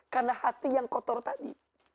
karena hati yang kotor tadi